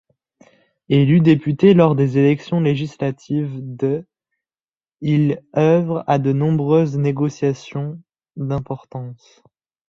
Élu député lors des élections législatives d', il œuvre à de nombreuses négociations d'importance.